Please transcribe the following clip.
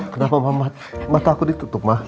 kenapa mata aku ditutup mah